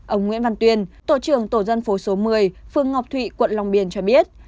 ông nguyễn văn tuyên tổ trưởng tổ dân phố số một mươi phương ngọc thụy quận long biên cho biết